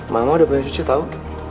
mama udah punya cuci tau